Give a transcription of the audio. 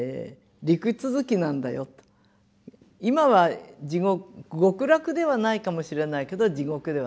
今は極楽ではないかもしれないけど地獄ではない。